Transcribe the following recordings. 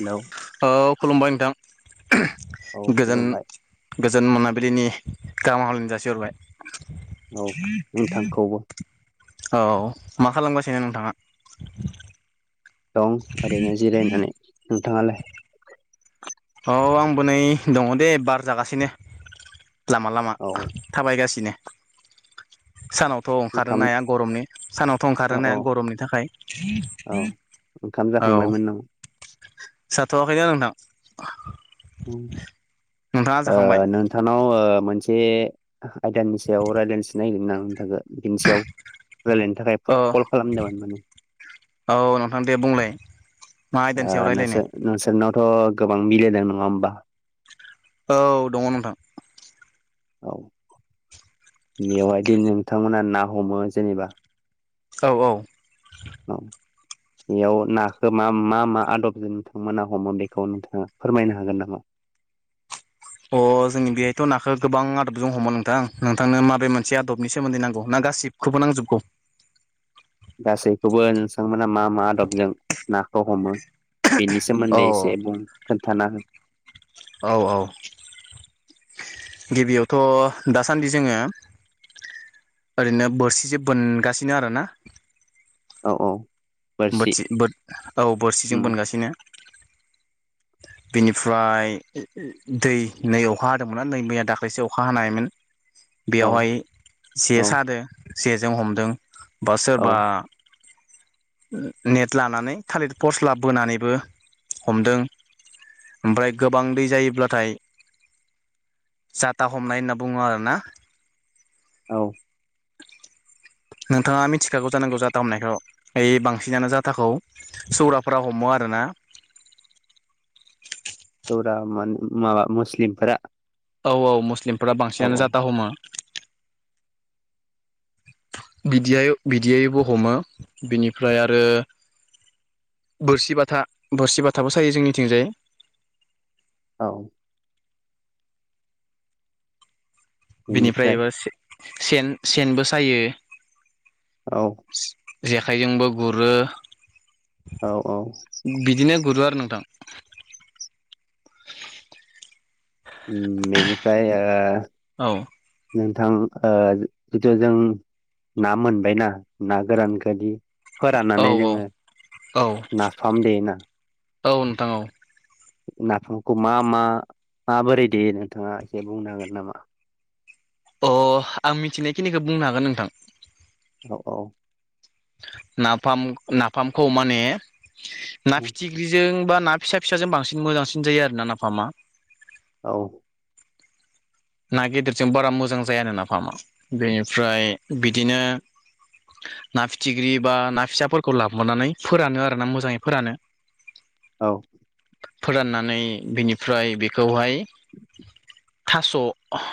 हेल'। औ खुलुमबाय नोंथां औ गोजोन खुलुमबाय गोजोन मोनाबिलिनि गाहाम हलनो जासिहरबाय। औ नोंथांखौबो औ मा खालामगासिनो नोंथाङा? दं ओरैनो जिरायनानै नोंथाङालाय? औ आंबो नै दङ दे बार जागासिनोनो, लामा लामा। औ थाबायगासिनो सानावथ' ओंखाम ओंखारनो हाया गरमनि। सानावथ' औ ओंखारोना औ गरमनि थाखाय। औ ओंखाम जाखांबायमोननाव जाथ'वाखै नोंथां। नोंथाङा आ जाखांबाय नों नोंथानाव मोनसे आयदानि सायाव रायज्लायनोस नागिरदोंमोन आं नोंथांखौ बिनिसयाव रायलायनो थाखाय औ कल खालामदोंमोन मोन। औ नोंथां दे बुंलाय। मा आयदानि सायाव रायलायनो नोंसोर नोंसोरनावथ' गोबां मिलायदों नङा होमबा? औ दङ' नोंथां औ बेवहायदि नोंथांमोना ना हमो जेनेबा औ औ औ बेयाव नाखौ मा मा मा आदबजों नोंथांमोना हमो बेखौ नोंथाङा फोरमायनो हागोन नामा? अ जोंनि बेहायथ' नाखो गोबां आदबजों हमो नोंथां नोंथांनो माबे मोनसे आदबनि सोमोन्दै नांगौ ना गासि खोबो नांजोबगौ गासैखौबो नोंसांमोना मा मा आदबजों नाखौ हमो बेनि औ सोमोन्दै एसे बुं खोन्थाना हो औ औ गिबियावथ' दासान्दि जोङो ओरैनो बोरसिजो बोनगासिनो आरोना औ औ बोरसि बोथि बोद औ बोरसिजों उम बोनगासिनो बिनिफ्राय दै नै अखा हादोंमोन नै मैया दाख्लैसो अखा हानायमोन औ बेयावहाय जे औ सादो जेजों हमदों बा औ सोरबा नेट लानानै थालिर फर्सला बोनानैबो हमदों ओमफ्राय गोबां दै जायोब्लाथाय जाता हमनाय होनना बुङो आरो ना औ नोंथाङा मिथिखागौ जानांगौ जाता हमनायखौ ओइ बांसिनानो जाथाखौ सौराफोरा हमो आरोना सौरा मान माबा मुस्लिमफोरा औ औ मुस्लिमफोरा औ बांसिनानो औ जाता हमो [inaudible] बिदियाय बिदियैबो हमो बिनिफ्राय आरो बोरसि बाथा बोरसि बाथाबो सायो जोंनिथिंजाय औ बेनिफ्राय बिनिफ्राया एबा से-सेन-सेनबो सायो औ जेखाइजोंबो गुरो औ औ बिदिनो गुरो आरो नोंथां उम बेनिफ्राय ओ औ नोंथां ओ जितु जों ना मोनबायना ना गोरानखोदि औ फोराननानै औ जोङो औ नाफाम दे ना औ नोंथां औ नाफामखौ मा-मा-माबोरै देयो नोंथाङा एसे बुंनो हागोन नामा अ आं मिथिनायखिनिखो बुंनो हागोन नोंथां औ औ नाफाम-नाफामखौ माने ना फिथि ख्रिजों बा ना फिसा-फिसाजों बांसिन मोजांसिन जायो आरो ना नाफामा औ ना गेदेरजों बारा मोजां जाया आरो नाफामा बेनिफ्राय बिदिनो ना फिथिख्रि बा ना फिसाफोरखौ लाबोनानै फोरानो आरो ना मोजाङै फोरानो औ फोराननानै बिनिफ्राय बेखौहाय थास' अह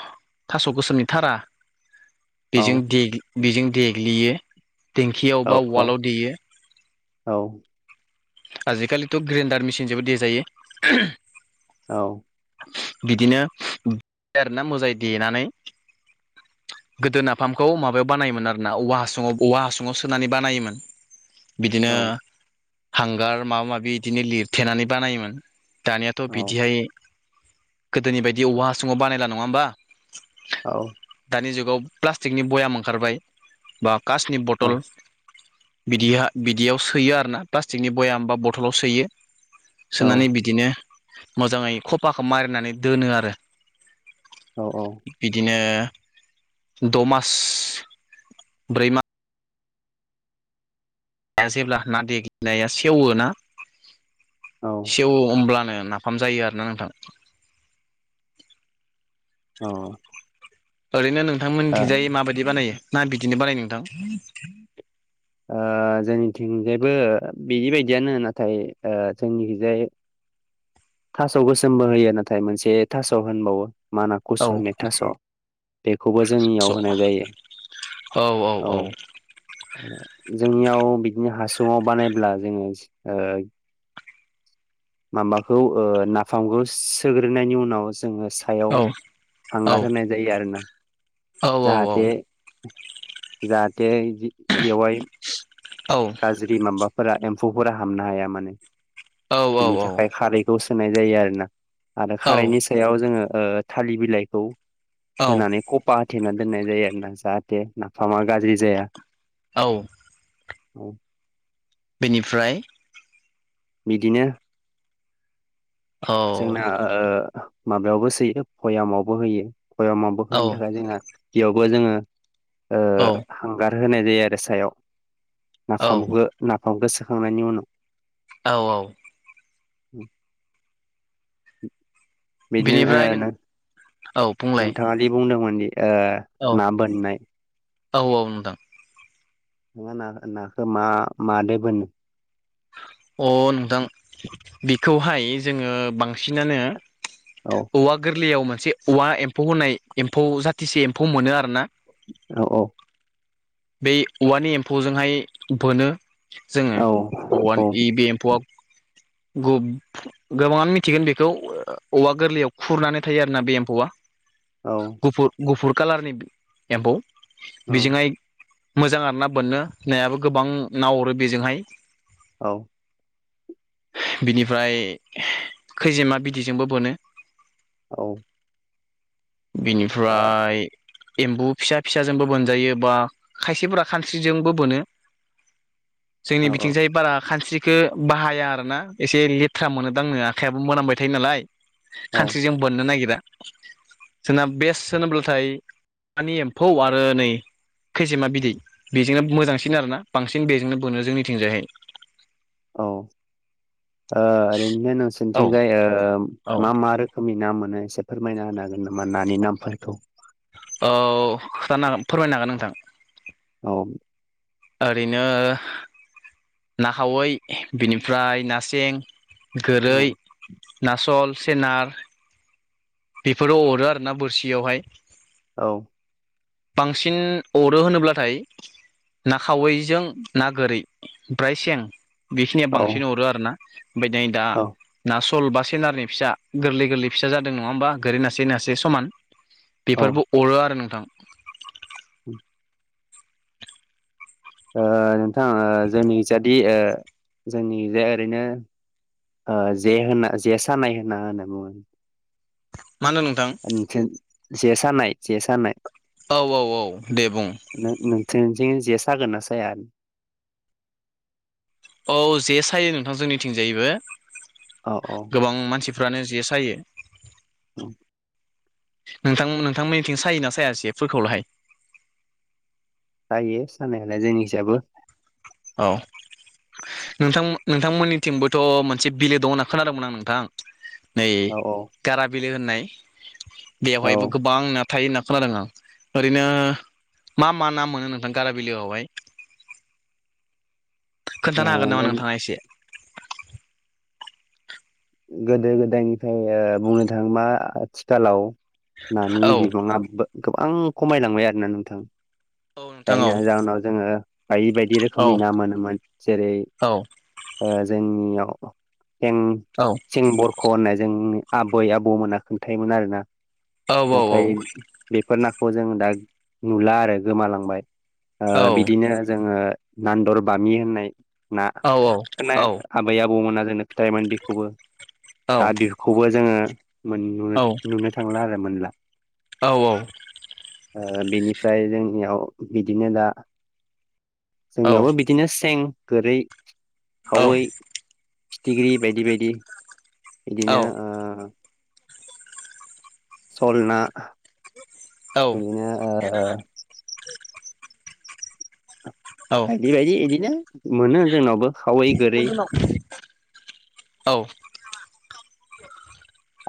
थास' गोसोमनि थारा बेजों दे बेजों देग्लियो देंखियाव बा उवालाव देयो औ आजिखालिथ' ग्रेन्डार मेसिन जोबो देजायो औ बिदिनो [unintelligible] दे आरोना मोजाङै देनानै गोदो नाफामखौ माबायाव बानायोमोन आरो ना औवा हासुङाव औवा हासुङाव सोनानै बानायोमोन बिदिनो हांगार माबा माबि इदिनो लिरथेनानै बानायोमोन दानियाथ' बिदिहाय गोदोनि बायदि औवा हासुङाव बानायला नङा होमबा औ दानि जुगाव प्लास्टिकनि भयाम ओंखारबाय बा कासनि बतल बिदिहा बिदियाव सोयो आरो ना प्लास्टिकनि भयाम बा बतलाव सोयो सोनानै बिदिनो मोजाङै खफाखौ मारिनानै दोनो आरो औ औ बिदिनो दमास ब्रै मास जेब्ला ना देग्नाया सेवो ना औ एवो होमब्लानो नाफाम जायो आरो ना नोंथां औ ओरैनो नोंथांमोननिमिथिंजाय माबायदि बानायो ना बिदिनो बानायो नोंथां ओ जोंनिथिंजायबो बिदिबायदियानो नाथाय ओ जोंनिखिजाय थास' गोसोमबो होयो नाथाय मोनसे थास' होनबावो माना औ कुचु होननाय थास' बेखौबो स' जोंनियाव होनाय जायो औ औ औ जोंनियाव बिदिनो हासुङाव बानायब्ला जोङो ओ माबाखौ नाफामखौ सोग्रोनायनि उनाव जोङो सा सायाव औ औ हांगार होनाय जायो आरो ना औ औ औ जाहाते इदि बेवहाय [unintelligible] औ गाज्रि माबाफोरा एमफौ फोरा हाबनो हाया माने बिनि थाखाय खारै दस होनाय जायो आरो ना आरो औ खारैनि सायाव जोङो ओ थालिर बिलाइखौ औ होनानै कपा होथेना दोननाय जायो आरोना जाहाथे नाफामा गाज्रि जाया। औ औ बिनिफ्राय बिदिनो औ जोंना ओ माबायावबो सोयो भयामावबो होयो भयामम [unintelligible] औ होनो थाखाय जोंहा बेयावबो जोङो औ हांगार होनाय जायो आरो सायाव औ नाफामखो नाफामखो सोखांनायनि उनाव औ औ उनाव बिदिनो ओ बिनिफ्राय नों औ बुंलाय नोंथाङा दि बुंदोंमोन दि ओ औ ना बोननाय औ औ नोंथां नोंहा ना नाखौ मा मादो बोनो? अ नोंतां बेखौहाय जोङो बांसिनानो औ औवा गोरलैयाव मोनसे औवा एम्फौ होनाय एम्फौ जाथिसे एम्फौ मोनो आरोना औ औ बै औवानि एम्फौजोंहाय बोनो जोङो औ औ औवानि इ बे एम्फौआ गुप गोबाङानो मिथिगोन बेखौ औवा गोरलैयाव खुरनानै थायो आरोना बे एम्फौआ औ गुफुर गुफुर कालारनि एम्फौ औ बेजोंहाय मोजां आरो ना बोनो नायाबो गोबां ना अरो बेजोंहाय औ बिनिफ्राय खैजेमा बिदैजोंबो बोनो औ बिनिफ्राय एम्बु फिसा फिसाजोंबो बोनजायो बा खायसेफोरा खानस्रिजोंबो बोनो औ जोंनि औ बिथिंजाय बारा खानस्रि खो बाहाया आरोना एसे लेथ्रा मोनो दांनो आखाइाबो मोनामबाय थायो नालाय औ खानस्रिजों बाननो नागिरा जोंना बेस्ट होनोब्लाथाय मानि एम्फौ आरो नै खैसेमा बिदै बेजोंनो मोजांसिन आरो ना बांसिन बेजोंनो बोनो जोंनिथिंजायहाय औ ओ ओरैनो औ नोंसोरनिथिंजाय ओ औ मा मा रोखो खोमनि ना मोनो एसे फोरमायना होनो हागोन नामा नानि नामफोरखौ? औ खोथानो हागोन फोरमायनो हागोन नोंथां औ ओरैनो ना खावै बिनिफ्राय ना सें औ गोरै नासल सेनार बेफोरो अरो आरो ना बोरसियावहाय औ बांसिन अरो होनोब्लाथाय ना खावैजों ना गोरै ओमफ्राय सें बेखिनिया औ बांसिन अरो आरो ना ओमफाय नै दा औ ना सु सल बा सेनारनि फिसा गोरलै गोरलै फिसा जादों नङा होमबा गोरै नासे नासे समान बेफोरबो अ अरो आरो नोंथां उम ओ नोंथां ओ जोंनि जादि ओ जोंनि इजाय ओरैनो ओ जे होना जे सानाय होनना होनो बुङो मा होनदों नोंथां? सेन जे सानाय जे सानाय औ औ औ दे बुं नों-नोंसोनिथिं जे सागोन ना साया? औ जे सायो नोंथां जोंनिथिंजायबो अ अ गोबां मानसिफ्रानो जे सायो उम नोंथां नोंथांमोननिथिं सायो ना साया जेफोरखौलाहाय सायो सानायालाय जोंनिखिजाबो औ नोंथां नोंथांमोननिथिंबोथ' मोनसे बिलो दं होनना खोनादोंमोन आं नोंथां नै औ औ गारा बिलो होननाय औ बेवहायबो ओ गोबां ना थायो होनना खोनादों आं ओरैनो मा मा ना मोनो नोंथां गारा बिलोआवहाय? खोन्थानो हागोन नामा जों नोंथाङा एसे? गोदो गोदायनिफ्राय ओ बुंनो थाङोबा आथिखालाव नानि औ बिबाङा बा गोबां खमायलांबाय आरोना नोंथां औ नोंथां औ जायनो जहोनाव जोङो बायदि बायदि औ रोखोमनि ना मोनोमोन जेरै औ ओ जोंनियाव थें औ। सिं बरख' होननाय जोंनि आबै आबौमोना खोन्थायोमोन आरोना औ नाथाय बेफोर नाखौ जों दा नुला आरो गोमालांबाय औ बिदिनो जोङो नानदर बामि होननाय ना औ औ औ होननाय आबै आबौमोना जोंनो थायोमोन बेखौबो दा बेखौबो जोङो मोन नुनो धुनों थांला आरो मोनला। ओ बिनिफ्राय जोंनियाव बिदिनो दा औ औ जोंनियावबो बिदिनो सें, गोरै, औ औ खावै फिथिख्रि बायदि बायदि बिदिनो ओ सल ना औ। बिदिनो ओ बायदि बायदि इदिनो मोनो जोंनावबो खावै, गोरै। [unintelligible] औ।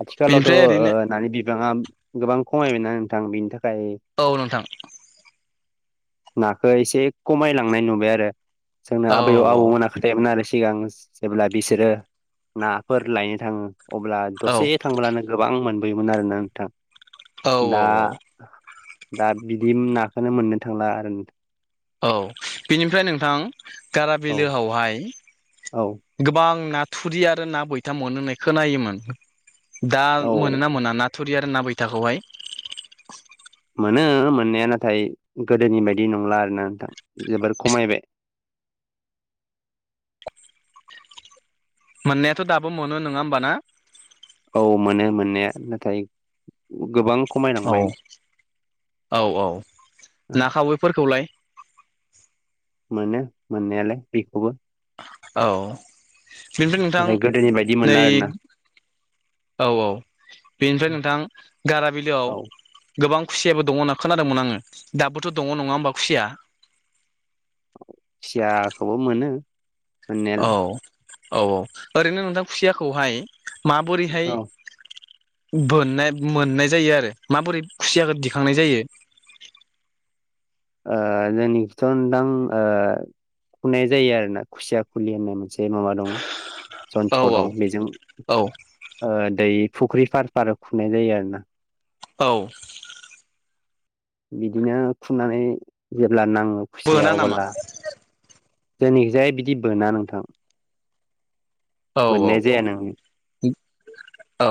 आथिखालावथ'ओ नानि बिबाङा गोबां खमायबायना नोंथां बेनि थाखाय औ नोंथां। नाखौ एसे खमायलांनाय नुबाय आरो जोंनो औ आबै औ आबौमोना खो [unintelligible] आरो सिगां जेब्ला बिसोरो नाफोर लायनो थाङो अब्ला दसे थांब्लानो गोबां मोनबोयोमोन आरोना नोंथां औ औ दा दा बिदिन नाखौनो मोननो थांला आरो न औ बेनिफ्राय नोंथां गारा औ बिलोआवहाय औ गोबां ना थुरि आरो ना बैथा मोन'होनाय खोनायोमोन दा औ मोनोना मोना ना? थुरि आरो ना बैथाखौहाय। मोनो मोननाया नाथाय गोदोनि बायदि नंला आरोना नोंथां जोबोर खमायबाय। मोननायाथ' दाबो मोनो नङा होमबा ना? औ मोनो मोननाया नाथाय गोबां औ खमायलांबाय औ औ ना खावैफोरखौलाय मोनो मोननायालाय बेखौबो औ बेनिफ्राय नोंथां ओमफ्राय गोदोनि बायदि नै मोनला आरोना औ औ बेनिफ्राय नोंथां गारा बिलोआव औ गोबां खुसियाबो दङ' होनना खोनादोंमोन आङो दाबोथ' दङ' नङा होमबा खुसिया? खुसियाखौबो मोनो ‌। औ औ औ ओरैनो नोंथां खुसियाखौहाय औ माबोरैहाय ओ बोन्नाय मोन्नाय जायो आरो माबोरै खुसियाखौ दिखांनाय जायो? ओ जोंनिखिथनदां ओ फुनाय जायो आरो ना खुसिया खुलि होननाय मोनसे माबा दो। औ जन्त्र औ दं' बेजों औ ओ दै फुख्रि फार फार खुंनाय जायो आरो ना। औ। बिदिनो खुननानै जेब्ला नाङो खुसिया बोना नामा अब्ला जोंनिखिजाय बिदि बोना नोंथां। औ औ मोननाय जाया नों औ औ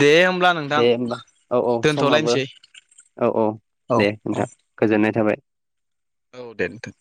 दे होमब्ला नोंथां दे होमबा औ औ समाबो दोनथ'लायनोसै औ औ औ दे औ नोंथां गोजोननाय थाबाय। औ दे नोंथां।